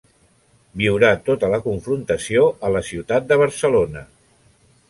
Viurà tota la confrontació a la ciutat de Barcelona.